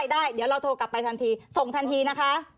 ได้เดี๋ยวเราโทรกลับไปทันทีส่งทันทีนะคะ